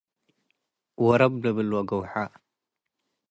ወረብ ልብል ወግውሐ